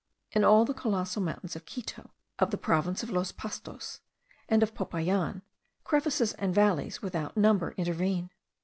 In all the colossal mountains of Quito, of the province of los Pastos, and of Popayan, crevices and valleys without number intervene.